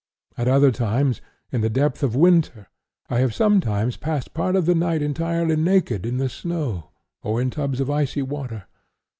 At other times, in the depth of winter, I have sometimes passed part of the night entirely naked in the snow, or in tubs of icy water.